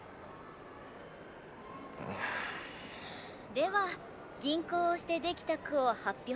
では吟行をして出来た句を発表していきましょう。